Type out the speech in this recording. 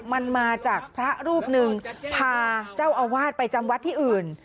มันมาจากพระรูปหนึ่งพาเจ้าอาวาสไปจำวัดที่อื่น